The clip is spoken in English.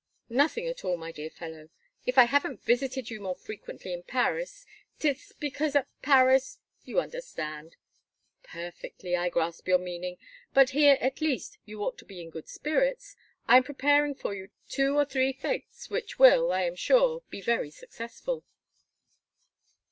"Nothing at all, my dear fellow. If I haven't visited you more frequently in Paris 'tis because at Paris, you understand " "Perfectly I grasp your meaning. But here, at least, you ought to be in good spirits. I am preparing for you two or three fêtes, which will, I am sure, be very successful."